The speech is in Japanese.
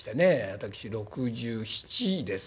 私６７です。